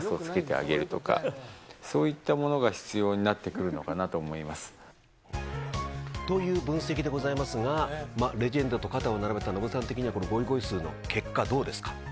こちらをご覧ください。という分析でございますがレジェンドと肩を並べたノブさん的にはゴイゴイスーの結果どうですか。